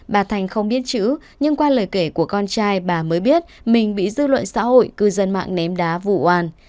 bà thành không biết chữ nhưng qua lời kể của con trai bà mới biết mình bị dư luận xã hội cư dân mạng ném đá vụ oan